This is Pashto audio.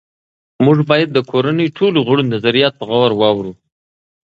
موږ باید د کورنۍ ټولو غړو نظریات په غور واورو